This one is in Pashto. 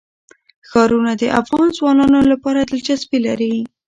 ښارونه د افغان ځوانانو لپاره دلچسپي لري.